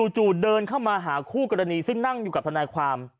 จู่เดินเข้ามาหาคู่กรณีซึ่งนั่งอยู่กับทนายความ